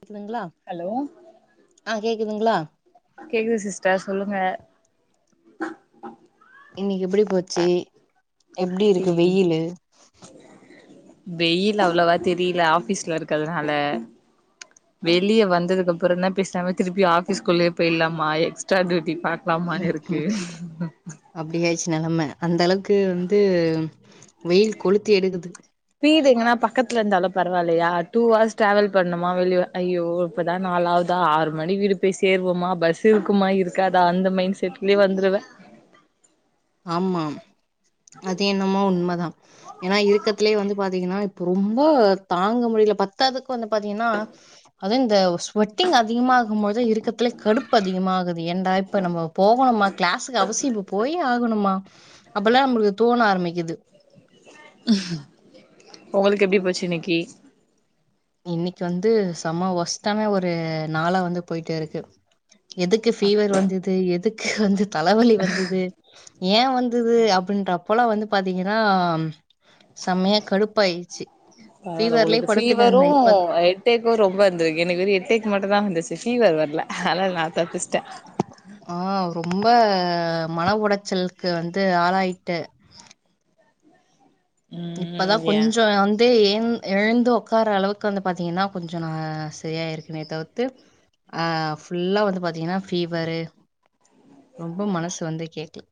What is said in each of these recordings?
கேக்குதுங்களா ஹலோ ஆ கேக்குதுங்களா கேக்குது சிஸ்டர் சொல்லுங்க இன்னைக்கு எப்டி போச்சு எப்டி இருக்கு வெயிலு வெயில் அவ்வளவா தெரியல ஆஃபீஸ்ல இருக்கிறதுனால வெளியே வந்ததுக்குப்புறந்தா என்ன பேசாம திருப்பி ஆஃபிஸ் குள்ளயே போயிர்லாமா எக்ஸ்ட்ரா டியூட்டி பாக் லாமான் இருக்கு அப்படியாயிர்ச்சு நெலம அந்த அளவுக்கு வந்து வெயில் கொளுத்தி எடுக்குது வீடு எங்கன்னா பக்கத்துல இருந்தாலு பரவாயில்லையா டூ அவர்ஸ் டிராவல் பண்ணுமா வெளியவா ஐயோ இப்போதா நாலாவ்தா ஆறு மணி வீடு போய் சேர்வோமா பஸ் இருக்குமா இருக்காதா அந்த மைண்ட் செட்லயே வந்துடுவே ஆமா அது என்னமோ உண்மதா ஏன்னா இருக்கத்தலயே வந்து பாத்தீங்கன்னா இப்ப ரொம்ப தாங்க முடியல பத்தாதுக்கு வந்து பாத்தீங்கன்னா அது இந்த ஸ் வெட்டிங் அதிகமாகு போது தா இருக்கதுலயே கடுப்பு அதிகமாகுது ஏண்டா இப்ப நம்ம போகணுமா கிளாஸுக்கு அவசியோ போயே ஆகணுமா அப்பல்லா நம்மளுக்கு தோண ஆரம்பிக்குது உங்களுக்கு எப்டி போச்சு இன்னைக்கு இன்னைக்கு வந்து செம ஒஷ்டான ஒரு நாளா வந்து போயட்டே இருக்கு எதுக்கு ஃபீவர் வந்தது எதுக்கு வந்து தலவலி வந்தது ஏ வந்துது அப்டின்றப்போல வந்து பாத்தீங்கன்னா செம்மையா கடுப்பாயிருச்சு அதால ஃபீவர்லயே உங்களுக்கு படுத்துட்டு பீவரும் இருந்தேன். இப்ப ஹெட் ஏக்கும் ரொம்ப இருந்துருக்கு எனக்கு வெறு ஹெட்டேக் மட்டுந்தா வந்துச்சு ஃபீவர் வரல அதனால நா தப்பிச்சுட்டே ஆ ரொம்ப மன உளச்சலுக்கு வந்து ஆளாய்ட்டு ம் இப்பதா ஏ கொஞ்சோ அங் கே ஏ எழுந்து உக்காரற அளவுக்கு வந்து பாத்தீங்கன்னா கொஞ்சோ நா சரியாயிருக்கேனே தவிர்த்து ஆ ஃபுல்லா வந்து பாத்தீங்கன்னா பீவரு ரொம்ப மனசு வந்து கேக்ல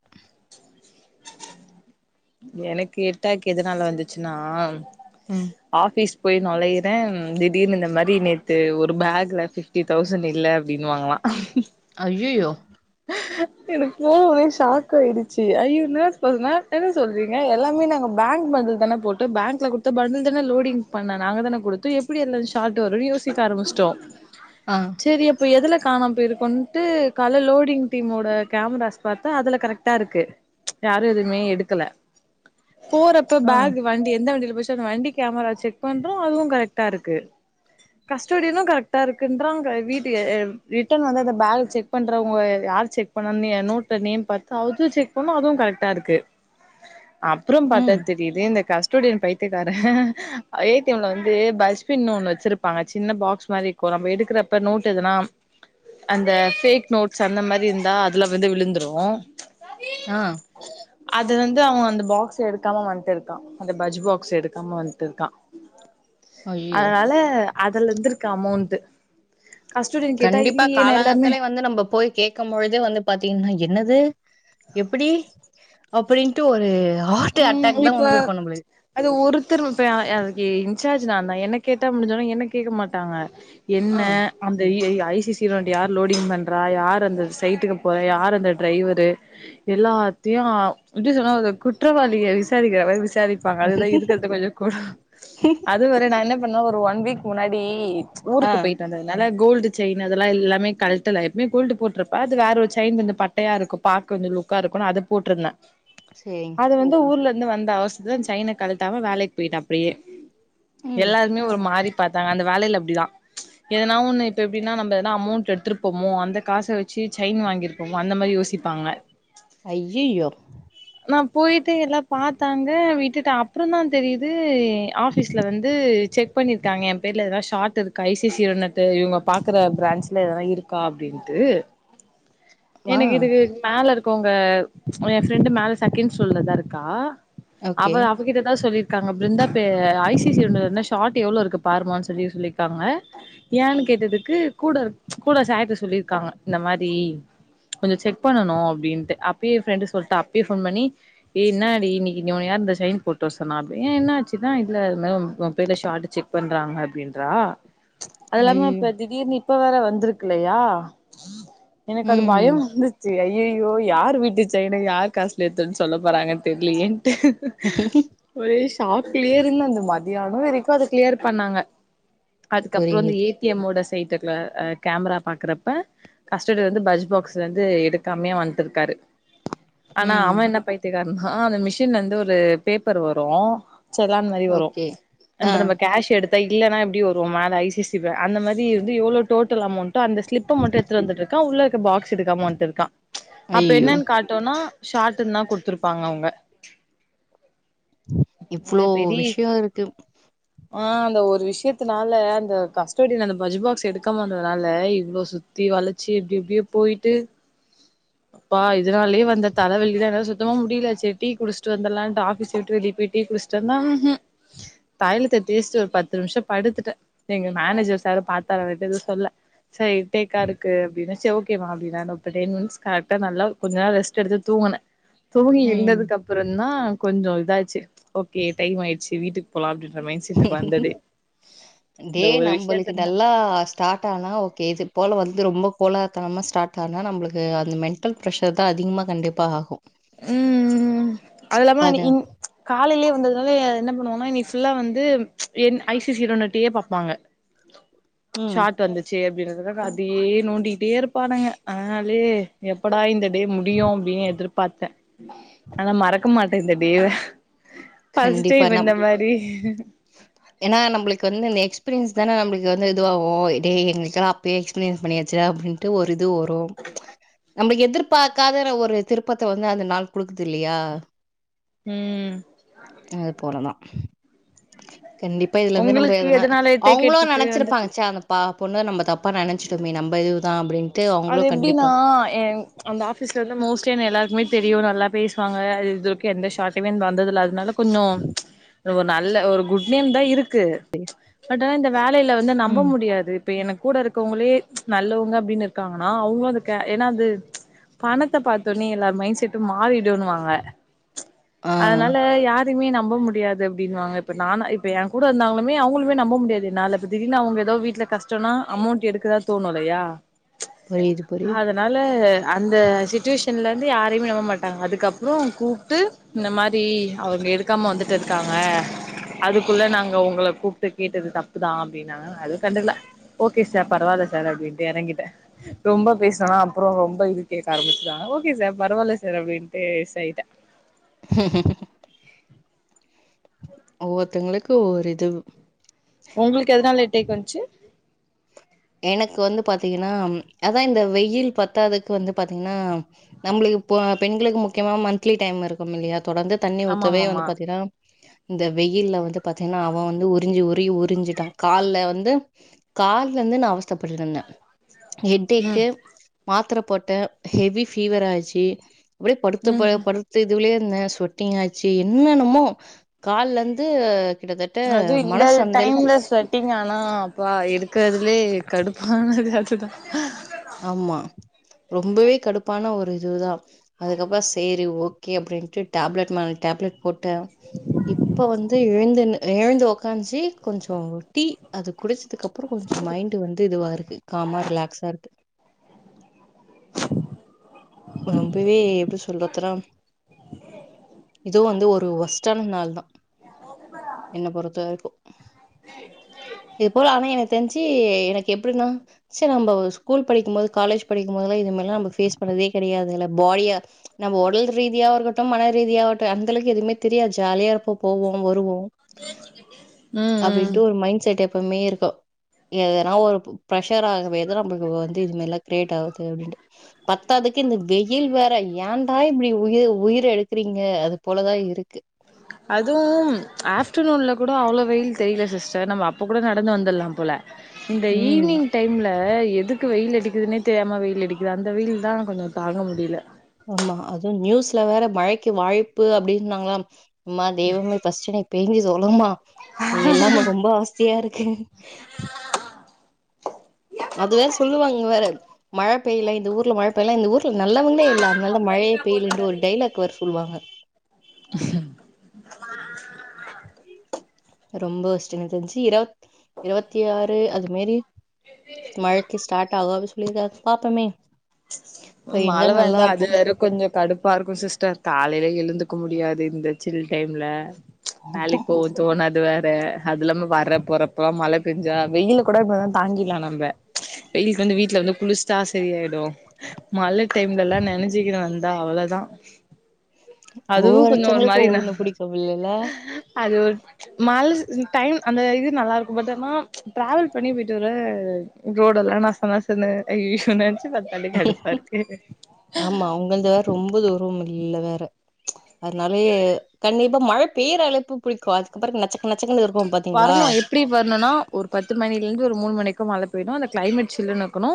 எனக்கு எட்டாக் எதனால வந்துச்சுன்னா ம் ஆபிஸ் போய் நுழையறே திடீர்னு இந்த மாதிரி நேத்து ஒரு பேக்ல பிஃப்டி தௌசண்ட் இல்ல அப்டின்னுவாங்கலா ஐயயோ எனக்கு போ உடனே ஷாக் ஆயிடுச்சு ஐயோ என்னாச்சி பாத்தனா என்ன சொல்றீங்க எல்லாமே நாங்க பேங்க் பண்டில் தான போட்டோ பேங்க்ல கொடுத்த பண்டில் தான லோடிங் பண்ண நாங்க தான கொடுத்தோ எப் எப்படி எல்லா ஷாட் வருனு யோசிக்க ஆரம்ச்சிட்டோ ஆ சரி அப்போ எதுல காணாம போயிருக்குன்ட்டு காலைல லோடிங் டீமோட கேமராஸ் பாத்தா அதுல கரெக்டா இருக்கு யாரு எதுவுமே எடுக்கல போறப்ப ஆ, பேக் வண்டி எந்த வண்டியில போச்சோ அந்த வண்டிக் கேமரா செக் பண்றோ அதுவு கரெக்டா இருக்கு கஸ்டடியெல்லா கரெக்டா இருக்குன்றா வீட்டு அ ரிட்டன் வந்து அந்த பேக் செக் பண்றவங்க யார் செக் பண்ணணுனு நோட்ட நேம் பாத்து அதுவு செக் பண்ணோ அதுவு கரெக்டா இருக்கு அப்றோ பாத்தா ம், தெரியுது இந்த கஷ் டுடி பைத்தியக்கார ஏடிஎம்ல வந்து பஸ்பின் ஒன்னு வச்சிருப்பாங்க சின்ன பாக்ஸ் மாரி க்கு நம்ம எடுக்கிறப்ப நோட்டு எதுனா அந்த பேஃக் நோட்ஸ் அந்த மாரி இருந்தா அதுல வந்து விழுந்துரு ஆ அது வந்து அவ அந்த பாக்ஸ் எடுக்காம வந்டுருக்கா அந்த பஜ் பாக்ஸ் எடுக்காம வந்ட்டுருக்கா ஐய்யயோ! அதனால அதுல இருந்துருக்கு அமௌண்ட் கஸ்டோடியன் கேட்டா கண்டிப்பா இல்லியே நா எல்லாமே காலாங்காத்தாலே வந்து நம்ம போய் கேக் கும் பொழுது வந்து பாத்தீங்கன்னா என்னது எப்டி அப்டின்ட்டு ஒரு ஹார்ட் ம் அட்டாக் தா இப்ப வந்திருக்கு நம்மளுக் அது ஒருத்தரு இப்ப அதுக்கு இன்சார்ஜ் நாந்தா என்ன கேட்டா முடிஞ்சுறு என்ன கேக்க மாட்டாங்க என்ன ஆ, அந்த எ ஐ ஐசிசி ரண்ட யார் லோடிங் பண்றா யார் அந்த சைட்டுக்கு போறா யார் அந்த டிரைவரு எல்லாத்தயு அ எப்டி சொல்றது அத குட் ற்றவாளிய விசாரிக்கிற மாரி விசாரிப்பாங்க அதுதா இருக்கறது கொஞ்சோ கொடு அத் துவர நா என்ன பண்ணே ஒரு ஒன் வீக் முன்னாடி ஆ, ஊருக்கு போய்ட்டு வந்த அதுநால கோல்டு செயின் அதெல்லா எல்லாமே கழட்டல எப்போவுமே கோல்டு போட்ருப்ப அது வேற ஒரு செயின் வந்து கொஞ்சோ பட் டையா இருக்கு பாக்க கொஞ்சோ லுக்கா இருக்குனு அத போட்ருந்த செரிங் அது வந்து ஊர்ல இருந்து வந்த அவசரத்துல அந்த சைன கழட்டாம வேலைக்கு போயிட்டே அப்டியே ம். எல்லாருமே ஒரு மாறி பாத்தாங்க அந்த வேலைல அப்டிதா எதனா ஒண்ணு இப்ப எப்டினா நம்ம எதனா அமௌண்ட் எடுத்துருப்போமோ அந்த காச வச்சு சைன் வாங்கிருப் போமோ அந்த மாரி யோசிப்பாங்க ஐயயோ நா போய்ட்டு எல்லா பாத்தாங்க விட்டுட்ட அப்றோ தா தெரியுது ஆஃபீஸ்ல வந்து செக் க் பண்ணிருக்காங்க என் பேர்ல எதாது ஷாட் இருக்கா ஐசிசி ரனட்டு இவங்க பாக்ற பிரான்ஸ்ல எதனா இருக் கா அப்டின்ட்டு ஆ, எனக்கு இதுக்கு மேல இருக்கவங்க எ ஃப்ரெண்டு மேல செகண்ட் சோல்லதா இருக்கா அவ ஓகே. அவ் இவக்கிட்டதா சொல்லியிருக்காங்க பிருந்தா பே ஐசிசினா என்ன ஷாட் எவ்ளோ இருக்கு பாருமான் சொல்லி சொல்லிருக்காங்க ஏன்னு கேட்டதுக்கு கூட கூட சார்ட்ட சொல்லிருக்காங்க இந்த மாரி கொஞ்ச செக் பண்ணணு அப்டின்ட்டு அப்பேயே எ ஃப்ரெண்டு் சொல்லிட்டா அப்பயே ஃபோன் பண்ணி ஏ என்னாடி இன்னைக்கு நீ உன்ன யார் இந்த சைன் போட்டு வர சொன்னா அப்டி ஏ என்னா ஆச்சுனா இதுல உன் பேருல ஷாட் செக் பண்றாங்க அப்டின்றா அதெல்லாமே ஐயய்யோ! இப்ப திடீர்ன்னு இப்ப வேற வந்திருக்கில்லயா எனக்கு அது பயோ ம். வந்துச்சு அய்யய்யோ யார் வீட்டு செய்ன் யார் காசுல எத்துன்னு சொல்ல போறாங்கன்னு தெரிலயேன்ட்டு ஒரே ஷாக்லியே இருந்தன் அந்த மதியானோ வரைக்கு அது கிளியர் பண்ணாங்க அதுக்கப்றோ அந்த புரியுது. ஏ டி எம்வயோட சைட்டுகுள்ள கேமரா பாக்கறப்ப கஸ்டடி வந்து பஜ் பாக்ஸ்லிந்து எடுக்காமயே வந்ட்டுருக்காரு ஆனா ம். அவன் என்ன பய்த்தியகாரனா அந்த மிஷின்ல இருந்து ஒரு பேப்பர் வரு செலான் மாரி வரு ஓகே. ஆ, அந்த நம்ம கேஷ் எடுத்தா இல்லனா எப்டி வரு மேல ஐ சி அந்த மாதிரிந்து எவ்ளோ டோட்டல் அமௌண்டோ அந்த ஸ்லிப் மட்டு எடுத்து வந்துட்டு இருக்கான் உள்ள பாக்ஸ் எடுக்காம வநட்டு இருக்கான் அப்ப ஐயய்யோ! என்னன் கா ட்டுனா ஷார்ட்ன்தா குடுத்துருப்பாங்க அவுங்க ஆ இவ்ளோ பெரி விஷயம் இருக்கு. ஆ அந்த ஒரு விஷ்யத்தனால அந்த கஸ்டடில அந்த பஜ் பாக்ஸ எடுக்காம வந்தனால இவ்ளோ சு த்தி வளச்சு எப்டி எப்டியோ போயிட்டு ப்பா இதனாலயே வந்த தல வலில என்னால சுத்தமா முடில சேரி டீ குடிச்சிட்டு வந்தர்லான்ட்டு ஆஃபீஸ் விட்டு வெளிய போய் டீ குடிச் சனா தயிலத்த தேச்சிட்டு ஒரு பத்து நிமிஷோ படுத்துட்ட எங்க மேனேஜர் சாரு பாத்தார் அவுர்ட்ட எது சொல்ல சார் ஹெட் ஏக்கா இருக்கு அப்டின்ன செரி ஓகேமா அப்பின்னர் நா இப்ப டென்மினிட்ஸ் கரெக்டா நல்லா கொஞ்ச நாள் ரெஸ்ட் எடுத்து தூங்குன தூங்கி ம். எழுந்ததுக்க ப்றந்தா கொஞ்சோ இதாச்சு ஓகே டைம் ஆய்ச்சு வீட்டுக்கு போலா அப்டின்ற மைன்செட்டுக்கு வந்ததே டே இந்த ஒரு நம்மளுக்கு விஷ்யத்துனால நல்லா ஸ்டார்ட் ஆனா ஓகே இது போல வந்து ரொம்ப கோலார்த்தனமா ஸ்டார்ட் ஆனா நம்மளுக்கு அந்த மென் டல் ஃப்ரஷர்தா அதிகமா கண்டிப்பா ஆகு ம் அது இல்லாம இன் காலைலயே வந்ததுனால என்ன பண்ணுவோனா இன்னைக்கு ஃபுல்லா வந்து என் ஐ சி சிரோண்டயே பாப்பாங்க ம். ஷார்ட் வந்து ச்சு அப்டினதுக்கா அதையே நோண்டிகிட்டே இருப்பானுக அதனாலயே எப்படா இந்த டே முடியு அப்டின் எதிர் பாத்த ஆனா மறக்க மாட்ட இந்த டேவ ஃபர்ஸ்ட் கண்டிப்பா டைம் இந்த மாரி ஏனா நம்மளுக்கு வந்து இந்த எக்ஸ்பீரியன்ஸ்தானே நம்மளுக்கு வந்து இதுவாகு டே எங்களுக்களா அப்பயே எக்ஸ்பீரியன்ஸ் பண்ணியாச்சுடா அப்டின் ட்டு ஒரு இது வரு நம்ம எதிர்பார்க்காத ஒரு திருப்பத்த வந்து அந்த நாள் குடுக்குது இல்லையா ம் அது போறதா கண்டிப் இப்ப இதுலிந்து நம்ப உங்களுக்கு எதனா எதனால டேக் அவுங்களு எடுத்துச்சு நெனச்சிருப்பாங்க வந்துச்சு சே அந்த பா பொண்ண நம்ப தப்பா நெனச்சுட்டோமே நம்ப இதுதா அப்டின் அது எப்டின்னா அந்த ஆஃபீஸ்ல வந்து மோஸ்ட்லி என்ன எல்லாருக்மே தெரியு நல்லா பேசுவாங்க அது இதுவரைக்கு எந்த ஷாட்மே வந்ததில்ல அதனால கொன்சோ ஒரு நல்ல ஒரு குட் நேம்தா இரு க்கு பட் இந்த வேலைல வந்து நம்ப ம் முடியாது இப்ப எனக்கு கூட இருக்கவங்ளே நல்லவங்க அப்டின்னு இரு க்காங்கன்னா அவுங்க வந்து ஏனா அது பணத்த பாத்தொன்னயே எல்லார் மைண்ட் செட்டு மாறிடு ண்ணுவாங்க ஆ அதனால யார் எதுமே நம்ப முடியாது அப்டின்னுவாங்க இப்ப நா இப்ப என் கூட இருந்தாலுமே அவுங்களுமே நம்ப முடியாது என்னால இப்ப திடீர்னு அவுங்க எதோ வீட்ல கஷ்டொனா அமௌண்ட் எடுக்கதா தோணு இல்லையா புரியிது புரியிது னால அந்த சிட்டுவேஷன்லர்ந்து யாரையுமே நம்ப மாட்டாங்க அதுக்கப்றோ கூப்ட்டூ இந்த மாரீ அவங்க எடுக்காம வந்துட்டுருக்காங்க அதுக்குள்ள நாங்க உங்கள கூப்ட்டு கேட்டது தப்புதா அப்டினாங்க நா எது கண்டுக்ல ஓகே சார் பரவால்ல சார் அப்டின்டு எறங்கிட்டே ரொம்ப பேசுனனா அப்றொ ரொம்ப இது கேக்க ஆரம்பிச்ருவாங்க ஓகே சார் பரவாயில்ல சார் அப்டின்ட்டு எஸ் ஆய்ட்டே ஒவ்வொர்த்தங்களுக்கு ஒவ்வொரு இதுவு உங்ளுக்கு எதுனால ஹெட் ஏக் வந்ச்சு எனக்கு வந்து பாத்திங்கனா அதா இந்த வெயில் பத்தாதுக்கு வந்து பாத்திங்னா நம்ளுக்கு பொ பெண்களுக்கு முக்கியமா மந்த்லீ டைம் இருக்கும் இல்லையா தொடர்ந்து தண்ணி ஆமா ஊத்தவே வந்து ஆமாமா பாத்தினா இந்த வெயில்ல வந்து பாத்திங்னா அவ வந்து உறிஞ்சி உரி உறிஞ்சிட்டா கால்ல வந்து கால் லந்து நா அவஸ்தப்பட்டுட்ருந்தே ஹெட்டேக்கு ம் மாத்ரப்போட்டே ஹெவி ஃபீவர் ஆச்சீ அப்டியே படுத்த ம் ப ம் படு து இதுவுலயே இருந்தே சொட்டிங்காச்சி என்னென்னமோ கால்லந்து கிட்டதட்ட மனசந்தலுக்கு விட்டிங்கானா அப்பா எடுக்குறதுலே கடுப்பானது அதுதா ஆமா ரொம்பவே கடுப்பான ஒரு இதுதா அதுக்கப்பொ சேரி ஓக் கே அப்டின்ட்டு டேப்லட் மேல டேப்லெட் போட்டே இப்ப வந் து எழுந்துன்னு எழுந்து ஒக்காஞ்சி கொஞ்சோ டீ அது குடிச்சதுக்கப்றோ கொஞ்சொ மைண்டு வந்து இதுவா இருக்கு காமா ரிலாக்ஸா இருக்கு ரொம்பவே எப்டி சொல்றதுனா இதுவு வந்து ஒரு வொஸ் டான நாள்தா என்ன பொறுத்தவரைக்கு இது போல அவெ எனக் தெரிஞ்சி எனக்கெப்டினா ச நம்ப ஸ்கூல் படிக்கும் போது காலேஜ் படிக்கும்போதெல்லா இதே மாரிலா நம்ம ஃபேஸ் பண்ணதே கெடையாதுல்ல பாயா நம்ம ஒடல் ரீதியா இருக்கட்டு மன ரீதியாவட்டூ அந்த அளவுக்கு எதுவுமே தெரியாது ஜாலியா இருப்போ போவோ வருவோ ம் ம் அப்டின்ட்டு ஒரு மைண்ட் செட் எப்பவுமே இருக்கு எதனா ஒரு பிரெஷர் ஆகவேதா நம்மள்க்கு வந்து இது மாரில்லா கிரேட் ஆவுதூ அப்டின்ட்டு பத்தாதுக் கு இந்த வெயில் வேற ஏண்டா இப்டி உயிர் உயிர எடுக்றிங்க அதுப்போலதா இருக்கு அதுவூம் ஆஃப்டர்நூன்ல கூட அவ்ளோ வெயில் தெரியல சிஸ்டர் நம்ம அப்ப கூட நடந்து வந்துர்லாம் போல இந்த ம். ஈவினிங் டைம்ல எதுக்கு வெயில் அடிக்குதுனே தெரியாம வெயில் அடிக்குது அந்த வெயில்தா கொஞ்சோ தாங்க முடில ஆமா அதுவு நியூஸ்ல வேற மழைக்கு வாய்ப்பு அப்டின்னாங்ளாம் அம்மா தெய்வமே ஃபர்ஸ்ட்டு நீ பேஞ்சி தொலமா நீ இல்லாம ரொம் ப அவஸ்தையா இருக்கு அதுவே சொல்லுவாங்க வேற மழப்பெய்ல இந்த ஊர்ல மழ பெய்லனா இந்த ஊர்ல நல்லவங்ளே இல்ல அதனாலதா மழையே பெய்யலன்டு ஒரு டைலாக் வேற சொல்லுவாங்க ஹ ரொம்ப வொஸ்ட்டு எனக் தெரிஞ்சி இருவத் இருவத்தி ஆறு அதுமாரி மழைக்கு ஸ்டார்ட் ஆகு அப்டி சொல்லிர்க்காரு பாப்பமே மழ வேந்தா அது வேறக் கொஞ்சோ கடுப்பா இருக்கு சிஸ்டர் காலைல எழுந்துக்க முடியாது இந்த ஜில் டைம்ல வேலைக் போகத் தோணாது வேர் இப்பே அது இல்லாம வரப் போறப்பலாம் மழ பெஞ்சா வெயில கூட இப்பலா தாங்கில்லா நம்ப வெயில்க்கு வந்து வீட்ல வந்து குளிச்டா சரி ஆய்டு மழ டைம்ல எல்லா நெனஞ்சிகினு வந்தா அவ்ளதா அதுவு கொஞ்சோ ஒரு ஒவ்வொருத்தங்களுக்கு மாரினா ஒவ்வொன்னு பிடிக்கும் இல்லல்ல? அது ஒருப் மழ டைம் அந்த இது நல்லா இருக்கும் பட் ஆனா டிராவெல் பண்ணி போயிட்டு வர ரோடு எல்லா நச நசனு ஐய்யோ நெனச்சு பாத் கடு கடுப்பாருக் ஆமா உங்குள்து வேற் ரொம்ப தூரம் மில்ல வேற அதனாலயே கண்டிப்பா மழப் பேயர அழைப்பு புடிக்கு அதுக்கப்றோ நச்சக்கு நச்சக்குனு இருக்கும் பாத்தீங்ளா இப்டி வர்ணுனா ஒரு பத்து மணிலந்து ஒரு மூனு மணிக்கு மழ பெய்னு அந்த கிளைமேட் சில்லுனு இக்குனு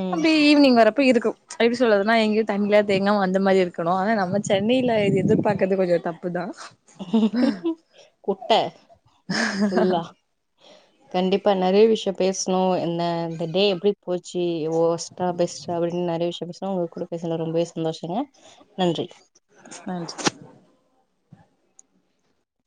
ம் அப்டி ஈவினிங் வரப்ப இருக்கும் எப்டி சொல்றதுனா எங்கியு தண்ணிலாத் தேங்காவு அந்த மாரி இருக்கணு ஆனா நம்ம சென்னைல இது எதிர்பாக்கற்து கொஞ்சோ தப்புதா குட்ட ஃபுல்லா கண்டிப்பா நெறைய விஷ்யோ பேச்னோ என்ன அந்த டே எப்டிப் போச்சி ஒஸ்டா பெஸ்டா அப்டின் நெறைய விஷ்யம் பேச் னோ உங்க கூட பேச்னுதல ரொம்பவே சந்தோஷங்க நன்றி நன்றி